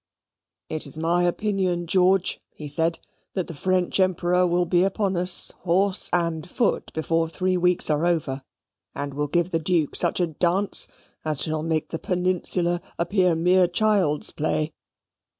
"It is my opinion, George," he said, "that the French Emperor will be upon us, horse and foot, before three weeks are over, and will give the Duke such a dance as shall make the Peninsula appear mere child's play.